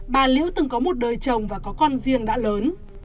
bà liễu từng có một đời chồng và có con riêng đã lớn